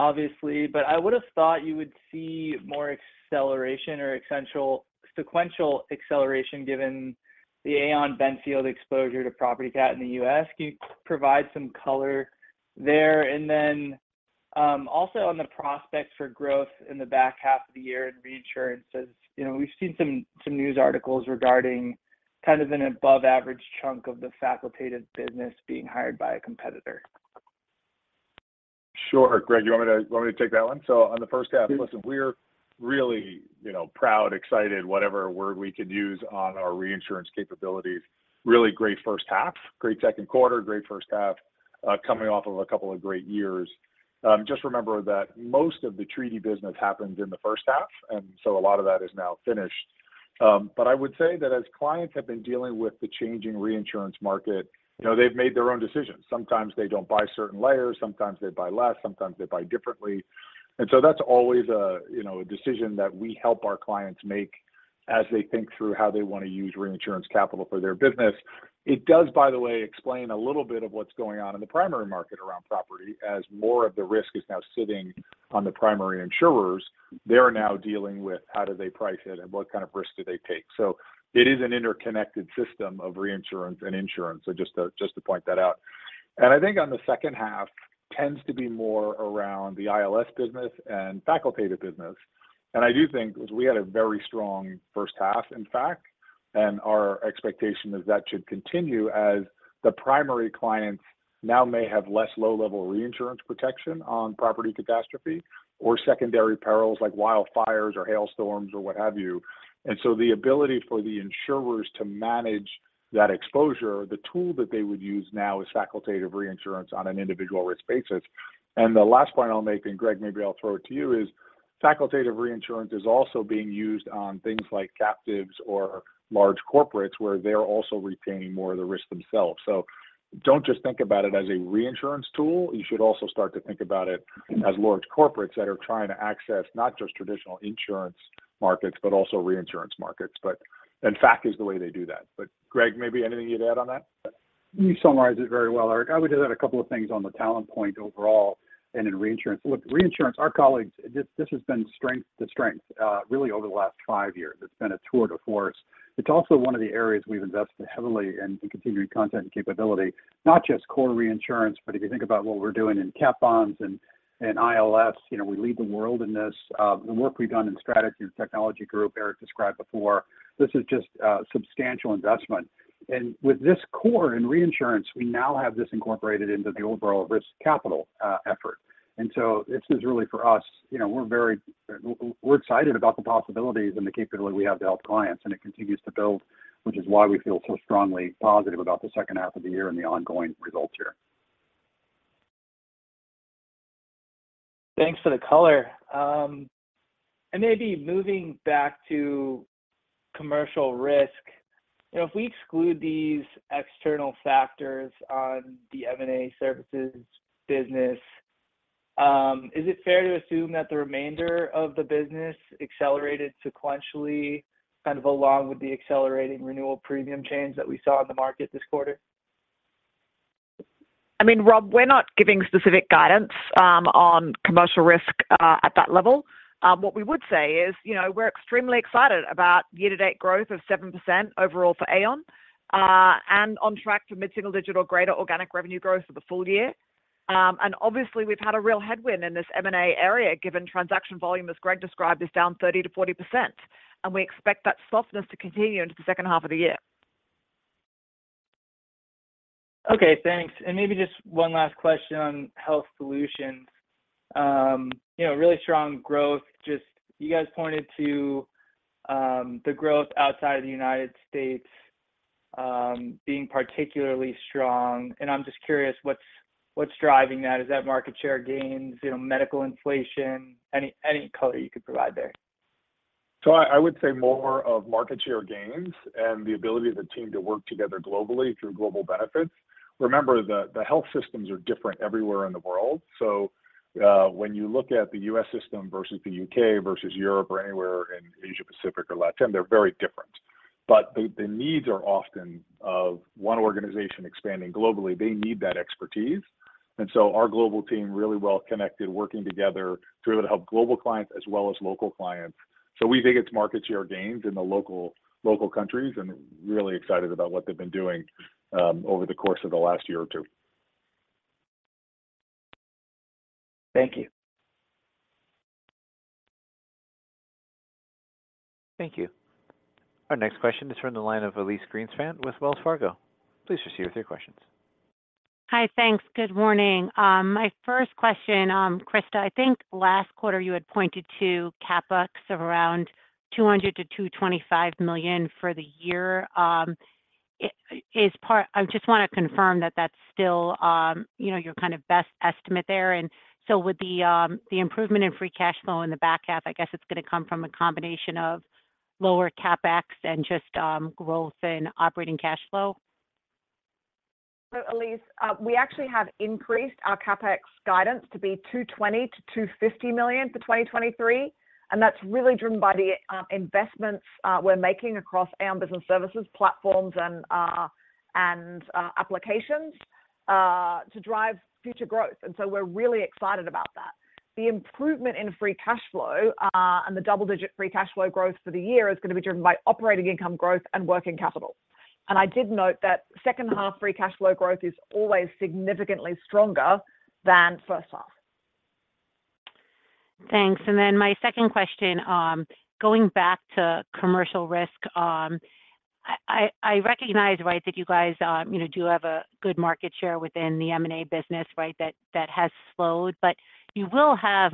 obviously, but I would have thought you would see more acceleration or sequential acceleration, given the Aon Benfield exposure to property cat in the U.S. Can you provide some color there? Then, also on the prospects for growth in the back half of the year in reinsurance, as you know, we've seen some, some news articles regarding kind of an above average chunk of the facultative business being hired by a competitor. Sure. Greg, you want me to, you want me to take that one? On the first half, listen, we're really, you know, proud, excited, whatever word we can use on our reinsurance capabilities. Really great first half. Great second quarter, great first half, coming off of a couple of great years. Just remember that most of the treaty business happens in the first half, a lot of that is now finished. I would say that as clients have been dealing with the changing reinsurance market, you know, they've made their own decisions. Sometimes they don't buy certain layers, sometimes they buy less, sometimes they buy differently. That's always a, you know, a decision that we help our clients make as they think through how they want to use reinsurance capital for their business. It does, by the way, explain a little bit of what's going on in the primary market around property. As more of the risk is now sitting on the primary insurers, they are now dealing with how do they price it and what kind of risk do they take. It is an interconnected system of reinsurance and insurance. Just to point that out. I think on the second half tends to be more around the ILS business and facultative business. I do think we had a very strong first half, in fact, and our expectation is that should continue as the primary clients now may have less low-level reinsurance protection on property catastrophe or secondary perils like wildfires or hailstorms or what have you. The ability for the insurers to manage that exposure, the tool that they would use now is facultative reinsurance on an individual risk basis. The last point I'll make, and Greg, maybe I'll throw it to you, is facultative reinsurance is also being used on things like captives or large corporates, where they're also retaining more of the risk themselves. Don't just think about it as a reinsurance tool, you should also start to think about it as large corporates that are trying to access not just traditional insurance markets, but also reinsurance markets. Fac is the way they do that. Greg, maybe anything you'd add on that? You summarized it very well, Eric. I would add a couple of things on the talent point overall and in reinsurance. Look, reinsurance, our colleagues, this, this has been strength to strength, really over the last five years. It's been a tour de force. It's also one of the areas we've invested heavily in, in continuing content and capability, not just core reinsurance, but if you think about what we're doing in cat bonds and, and ILS, you know, we lead the world in this. The work we've done in Strategy and Technology Group Eric described before, this is just a substantial investment. With this core in reinsurance, we now have this incorporated into the overall risk capital, effort. This is really for us. You know, we're excited about the possibilities and the capability we have to help clients, and it continues to build, which is why we feel so strongly positive about the second half of the year and the ongoing results here. Thanks for the color. Maybe moving back to commercial risk, you know, if we exclude these external factors on the M&A services business, is it fair to assume that the remainder of the business accelerated sequentially, kind of along with the accelerating renewal premium change that we saw in the market this quarter? I mean, Rob, we're not giving specific guidance on commercial risk at that level. What we would say is, you know, we're extremely excited about year-to-date growth of 7% overall for Aon, and on track to mid-single-digit or greater organic revenue growth for the full year. And obviously, we've had a real headwind in this M&A area, given transaction volume, as Greg described, is down 30%-40%, and we expect that softness to continue into the second half of the year. Okay, thanks. Maybe just one last question on Health Solutions. You know, really strong growth. Just you guys pointed to, the growth outside of the United States, being particularly strong, and I'm just curious, what's, what's driving that? Is that market share gains, you know, medical inflation? Any, any color you could provide there? I would say more of market share gains and the ability of the team to work together globally through global benefits. Remember that the health systems are different everywhere in the world. When you look at the U.S. system versus the U.K. versus Europe or anywhere in Asia-Pacific or Latin, they're very different. The, the needs are often of one organization expanding globally. They need that expertise. Our global team really well connected, working together to be able to help global clients as well as local clients. We think it's market share gains in the local, local countries, and really excited about what they've been doing over the course of the last year or two. Thank you. Thank you. Our next question is from the line of Elyse Greenspan with Wells Fargo. Please proceed with your questions. Hi, thanks. Good morning. My first question, Christa, I think last quarter you had pointed to CapEx of around $200 million-$225 million for the year. I just want to confirm that that's still, you know, your kind of best estimate there. With the improvement in free cash flow in the back half, I guess it's going to come from a combination of lower CapEx and just, growth in operating cash flow? Elyse, we actually have increased our CapEx guidance to be $220 million-$250 million for 2023, and that's really driven by the investments we're making across our business services platforms and applications to drive future growth. We're really excited about that. The improvement in free cash flow and the double-digit free cash flow growth for the year is going to be driven by operating income growth and working capital. I did note that second half free cash flow growth is always significantly stronger than first half. Thanks. Then my second question, going back to commercial risk, I recognize, right, that you guys, you know, do have a good market share within the M&A business, right? That, that has slowed, but you will have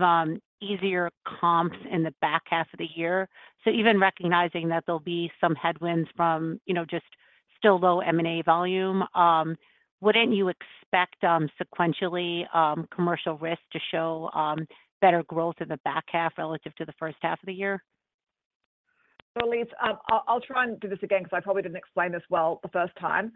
easier comps in the back half of the year. Even recognizing that there'll be some headwinds from, you know, just still low M&A volume, wouldn't you expect, sequentially, commercial risk to show better growth in the back half relative to the first half of the year? Elyse, I'll, I'll try and do this again because I probably didn't explain this well the first time.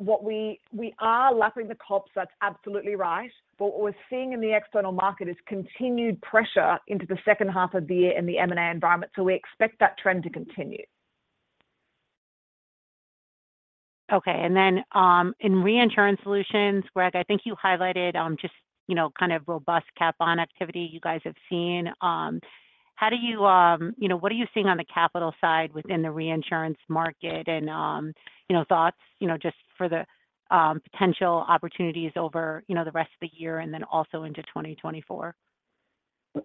What we are lapping the comps, that's absolutely right. What we're seeing in the external market is continued pressure into the second half of the year in the M&A environment. We expect that trend to continue. Okay. In Reinsurance Solutions, Greg, I think you highlighted, just, you know, kind of robust cat bond activity you guys have seen. How do you, you know, what are you seeing on the capital side within the reinsurance market? Thoughts, you know, just for the potential opportunities over, you know, the rest of the year and then also into 2024.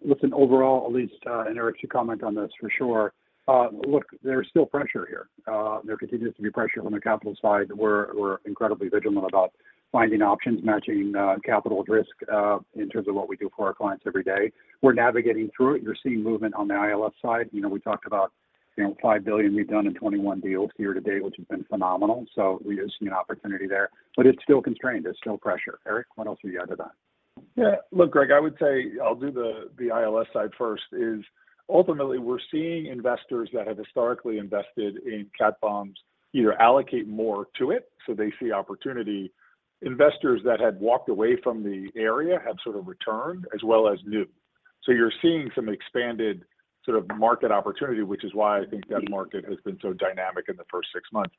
Listen, overall, Elyse, and Eric should comment on this for sure. Look, there's still pressure here. There continues to be pressure on the capital side. We're incredibly vigilant about finding options, matching, capital risk, in terms of what we do for our clients every day. We're navigating through it. You're seeing movement on the ILS side. You know, we talked about, you know, $5 billion we've done in 21 deals year to date, which has been phenomenal. We are seeing an opportunity there, but it's still constrained. There's still pressure. Eric, what else would you add to that? Yeah, look, Greg, I would say I'll do the ILS side first, is ultimately we're seeing investors that have historically invested in cat bonds either allocate more to it, so they see opportunity. Investors that had walked away from the area have sort of returned as well as new. You're seeing some expanded sort of market opportunity, which is why I think that market has been so dynamic in the first six months.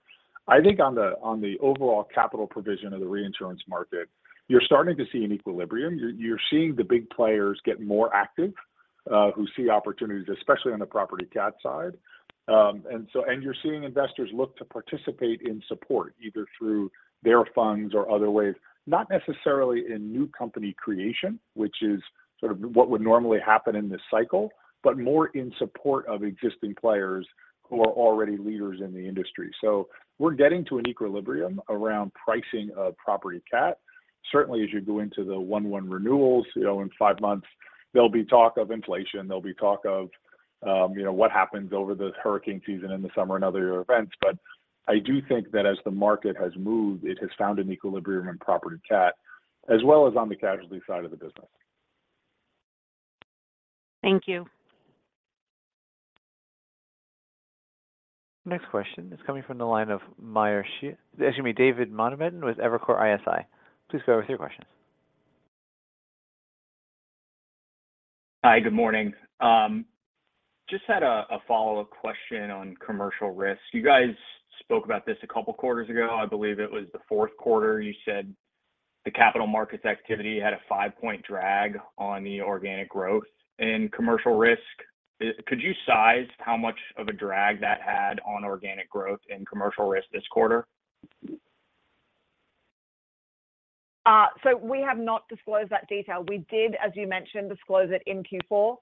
I think on the, on the overall capital provision of the reinsurance market, you're starting to see an equilibrium. You're, you're seeing the big players get more active, who see opportunities, especially on the property cat side. You're seeing investors look to participate in support, either through their funds or other ways. Not necessarily in new company creation, which is sort of what would normally happen in this cycle, but more in support of existing players who are already leaders in the industry. We're getting to an equilibrium around pricing of property cat. Certainly, as you go into the 1/1 renewals, you know, in five months, there'll be talk of inflation, there'll be talk of, you know, what happens over the hurricane season in the summer and other events. I do think that as the market has moved, it has found an equilibrium in property cat, as well as on the casualty side of the business. Thank you. Next question is coming from the line of excuse me, David Motemaden with Evercore ISI. Please go with your questions. Hi, good morning. just had a follow-up question on commercial risk. You guys spoke about this couple quarters ago. I believe it was the fourth quarter. You said the capital markets activity had a five-point drag on the organic growth in commercial risk. could you size how much of a drag that had on organic growth in commercial risk this quarter? We have not disclosed that detail. We did, as you mentioned, disclose it in Q4,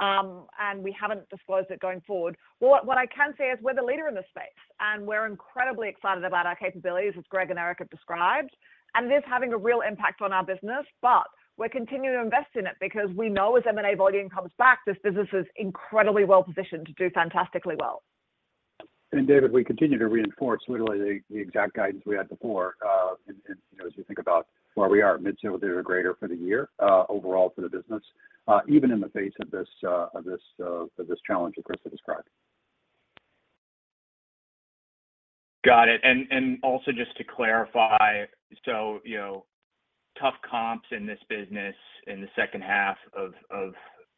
and we haven't disclosed it going forward. What, what I can say is we're the leader in this space, and we're incredibly excited about our capabilities, as Greg and Eric have described. This having a real impact on our business. We're continuing to invest in it because we know as M&A volume comes back, this business is incredibly well positioned to do fantastically well. David, we continue to reinforce literally the, the exact guidance we had before, and, and, you know, as we think about where we are, mid-single-digit or greater for the year, overall for the business, even in the face of this, of this, of this challenge, of course, that is described. Got it. Also just to clarify, you know, tough comps in this business in the second half of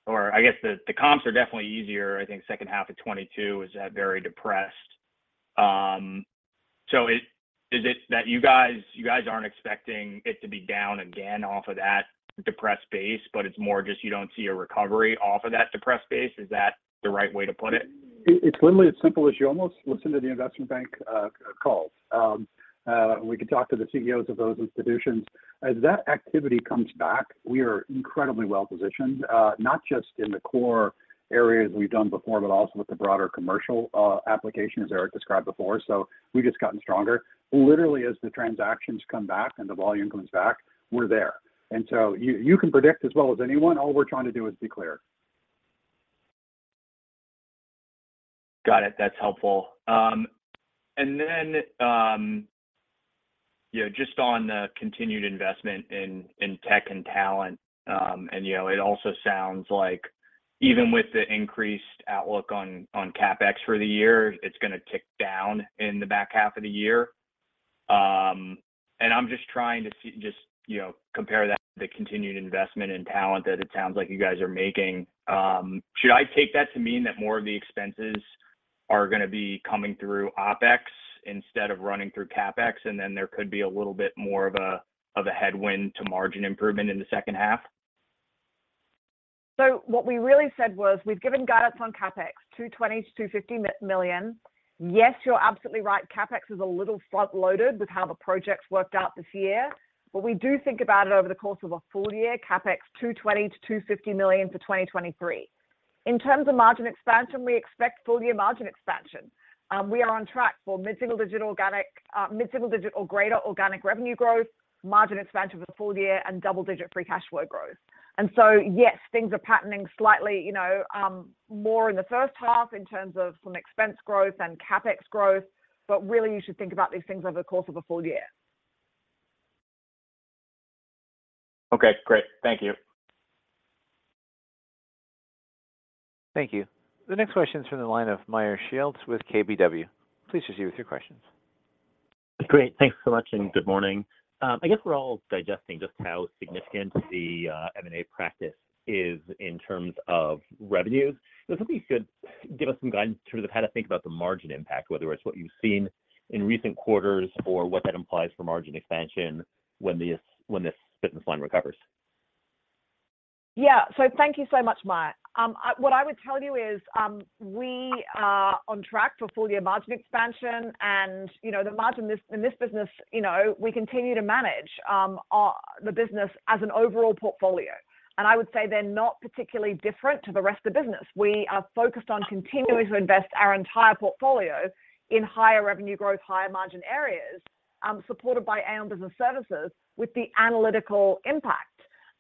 or I guess the comps are definitely easier. I think second half of 2022 is very depressed. Is it that you guys aren't expecting it to be down again off of that depressed base, but it's more just you don't see a recovery off of that depressed base? Is that the right way to put it? It, it's literally as simple as you almost listen to the investment bank calls. We can talk to the CEOs of those institutions. As that activity comes back, we are incredibly well positioned, not just in the core areas we've done before, but also with the broader commercial applications Eric described before. We've just gotten stronger. Literally, as the transactions come back and the volume comes back, we're there. You, you can predict as well as anyone. All we're trying to do is be clear. Got it. That's helpful. Then, you know, just on the continued investment in, in tech and talent, and, you know, it also sounds like even with the increased outlook on, on CapEx for the year, it's gonna tick down in the back half of the year. I'm just trying to see, you know, compare that to the continued investment in talent that it sounds like you guys are making. Should I take that to mean that more of the expenses are gonna be coming through OpEx instead of running through CapEx, and then there could be a little bit more of a, of a headwind to margin improvement in the second half? What we really said was, we've given guidance on CapEx, $220 million-$250 million. Yes, you're absolutely right, CapEx is a little front-loaded with how the projects worked out this year. We do think about it over the course of a full year, CapEx, $220 million-$250 million for 2023. In terms of margin expansion, we expect full year margin expansion. We are on track for mid-single-digit organic, mid-single-digit or greater organic revenue growth, margin expansion for the full year, and double-digit free cash flow growth. Yes, things are patterning slightly, you know, more in the first half in terms of some expense growth and CapEx growth, but really, you should think about these things over the course of a full year. Okay, great. Thank you. Thank you. The next question is from the line of Meyer Shields with KBW. Please proceed with your questions. Great, thanks so much, and good morning. I guess we're all digesting just how significant the M&A practice is in terms of revenues. If you could give us some guidance in terms of how to think about the margin impact, whether it's what you've seen in recent quarters or what that implies for margin expansion when this, when this business line recovers. Yeah. Thank you so much, Meyer. What I would tell you is, we are on track for full year margin expansion, and, you know, the margin in this, in this business, you know, we continue to manage, our, the business as an overall portfolio. I would say they're not particularly different to the rest of business. We are focused on continuing to invest our entire portfolio in higher revenue growth, higher margin areas, supported by Aon Business Services with the analytical impact.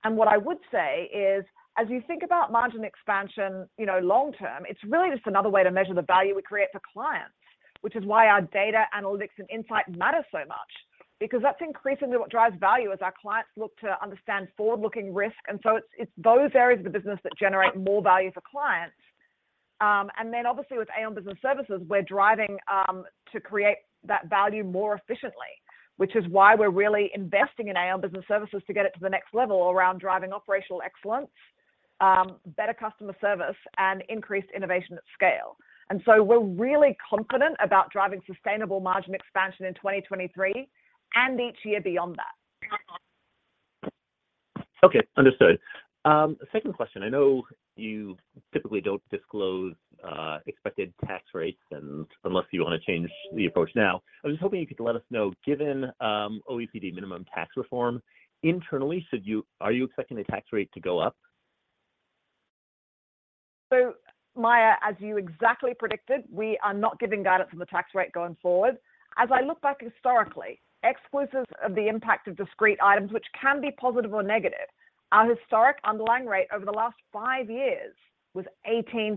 What I would say is, as you think about margin expansion, you know, long-term, it's really just another way to measure the value we create for clients, which is why our data, analytics, and insight matter so much, because that's increasingly what drives value as our clients look to understand forward-looking risk. It's, it's those areas of the business that generate more value for clients. Then obviously with Aon Business Services, we're driving, to create that value more efficiently, which is why we're really investing in Aon Business Services to get it to the next level around driving operational excellence, better customer service, and increased innovation at scale. We're really confident about driving sustainable margin expansion in 2023, and each year beyond that. Okay, understood. Second question. I know you typically don't disclose, expected tax rates, and unless you want to change the approach now. I was hoping you could let us know, given, OECD minimum tax reform, internally, should you-- are you expecting the tax rate to go up? Meyer, as you exactly predicted, we are not giving guidance on the tax rate going forward. As I look back historically, exclusive of the impact of discrete items, which can be positive or negative, our historic underlying rate over the last five years was 18%.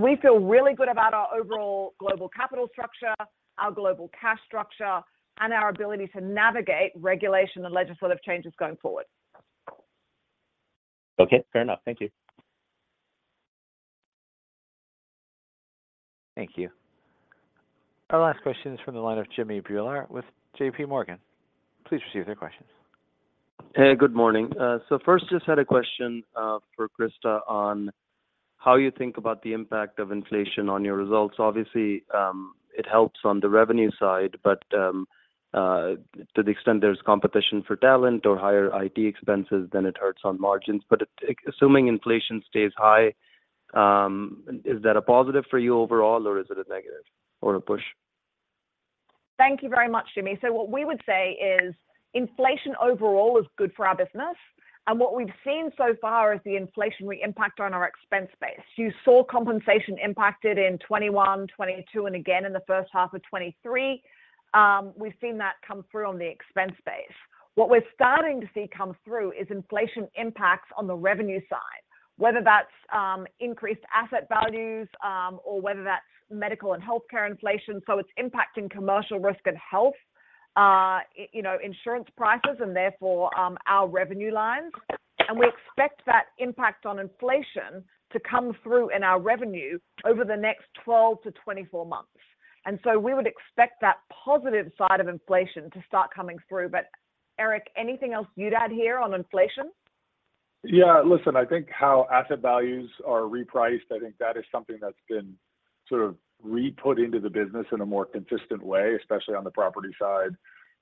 We feel really good about our overall global capital structure, our global cash structure, and our ability to navigate regulation and legislative changes going forward. Okay, fair enough. Thank you. Thank you. Our last question is from the line of Jimmy Bhullar with JPMorgan. Please proceed with your questions. Hey, good morning. First, just had a question, for Christa on how you think about the impact of inflation on your results. Obviously, it helps on the revenue side, but, to the extent there's competition for talent or higher IT expenses, then it hurts on margins. Assuming inflation stays high, is that a positive for you overall, or is it a negative, or a push? Thank you very much, Jimmy. What we would say is inflation overall is good for our business.... What we've seen so far is the inflationary impact on our expense base. You saw compensation impacted in 21, 22, and again in the first half of 23. We've seen that come through on the expense base. What we're starting to see come through is inflation impacts on the revenue side, whether that's increased asset values, or whether that's medical and healthcare inflation. It's impacting commercial risk and health, you know, insurance prices and therefore, our revenue lines. We expect that impact on inflation to come through in our revenue over the next 12 to 24 months. We would expect that positive side of inflation to start coming through. Eric, anything else you'd add here on inflation? Yeah, listen, I think how asset values are repriced, I think that is something that's been sort of re-put into the business in a more consistent way, especially on the property side.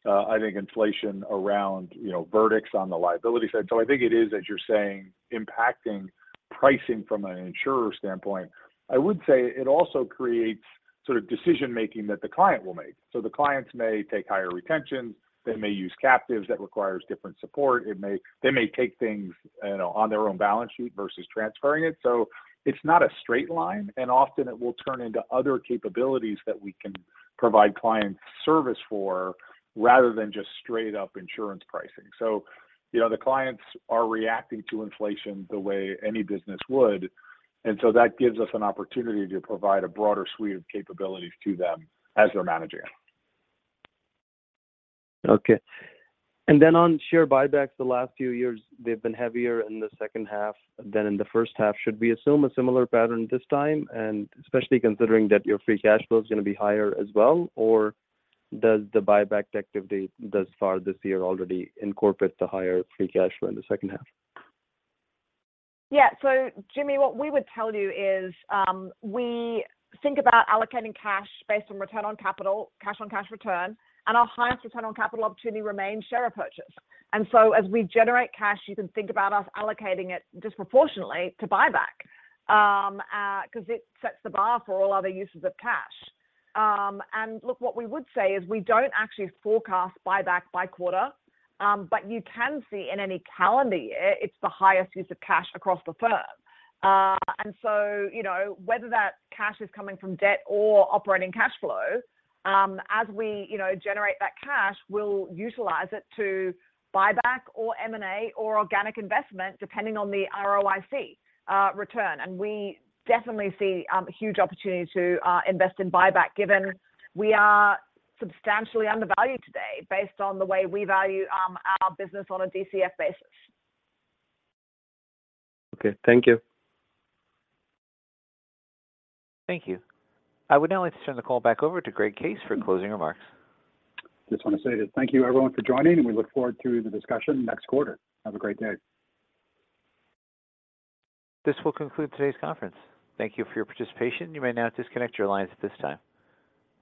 I think inflation around, you know, verdicts on the liability side. I think it is, as you're saying, impacting pricing from an insurer standpoint. I would say it also creates sort of decision making that the client will make. The clients may take higher retentions, they may use captives that requires different support. They may take things, you know, on their own balance sheet versus transferring it. It's not a straight line, and often it will turn into other capabilities that we can provide client service for, rather than just straight up insurance pricing. You know, the clients are reacting to inflation the way any business would, and so that gives us an opportunity to provide a broader suite of capabilities to them as they're managing it. Okay. On share buybacks, the last few years, they've been heavier in the second half than in the first half. Should we assume a similar pattern this time, and especially considering that your free cash flow is going to be higher as well? Or does the buyback activity thus far this year already incorporate the higher free cash flow in the second half? Yeah. Jimmy, what we would tell you is, we think about allocating cash based on return on capital, cash on cash return, our highest return on capital opportunity remains share repurchase. As we generate cash, you can think about us allocating it disproportionately to buyback because it sets the bar for all other uses of cash. Look, what we would say is we don't actually forecast buyback by quarter, you can see in any calendar year, it's the highest use of cash across the firm. Whether that cash is coming from debt or operating cash flow, as we, you know, generate that cash, we'll utilize it to buy back or M&A or organic investment, depending on the ROIC return. We definitely see a huge opportunity to invest in buyback, given we are substantially undervalued today based on the way we value our business on a DCF basis. Okay, thank you. Thank you. I would now like to turn the call back over to Greg Case for closing remarks. Just want to say thank you, everyone, for joining. We look forward to the discussion next quarter. Have a great day. This will conclude today's conference. Thank you for your participation. You may now disconnect your lines at this time.